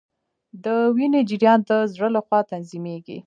د وینې جریان د زړه لخوا تنظیمیږي